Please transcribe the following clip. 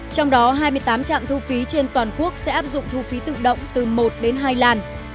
trong đó hai mươi tám trạm thu phí trên toàn quốc sẽ áp dụng thu phí tự động từ một đến hai làn